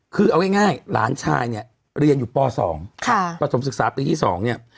คือเอาง่ายหลานชายเนี่ยเรียนอยู่ป๒ปฐมศึกษาปีที่๒เนี่ย